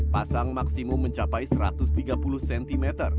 pasang maksimum mencapai satu ratus tiga puluh cm